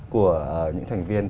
của những thành viên